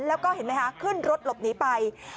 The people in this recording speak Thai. แล้วก็เห็นไหมคะขึ้นรถหลบหนีไป